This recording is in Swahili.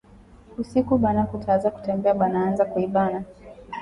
Busiku bana kataza kutembea banaanza kuibana